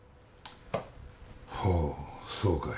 ほうそうかい